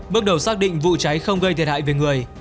bước đầu xác định vụ cháy không gây thiệt hại về người